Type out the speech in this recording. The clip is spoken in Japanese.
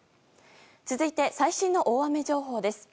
続いて、最新の大雨情報です。